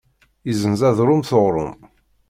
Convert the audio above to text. Izzenz adrum s uɣrum.